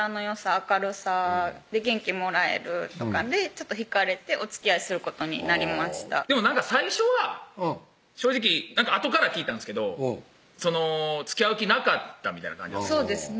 明るさ元気もらえるとかで惹かれておつきあいすることになりましたでも最初は正直あとから聞いたんですけどつきあう気なかったみたいな感じそうですね